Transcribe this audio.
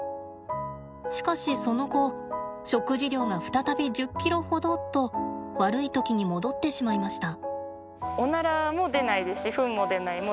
しかし、その後食事量が再び１０ｋｇほどと悪い時に戻ってしまいました。